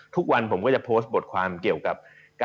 ทุกวันผมก็จะโพสต์บทความเกี่ยวกับ